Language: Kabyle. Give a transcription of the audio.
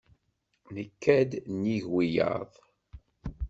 Nekka-d nnig wiyaḍ.